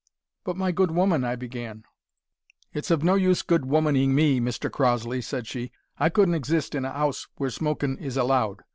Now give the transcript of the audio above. "`But, my good woman,' I began "`It's of no use good womaning me, Mr Crossley,' said she, `I couldn't exist in a 'ouse w'ere smokin' is allowed.